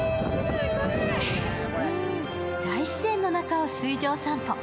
大自然の中を水上散歩。